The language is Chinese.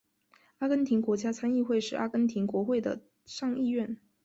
阿根廷国家参议院是阿根廷国会的上议院。